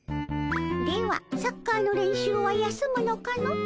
ではサッカーの練習は休むのかの？